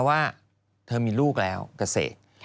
ว่าเธอมีลูกแล้วกับเศษ